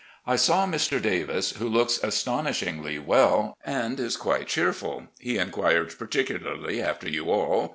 I saw Mr. Davis, who looks astonishingly well, and is quite cheerful. He inquired particularly after you all.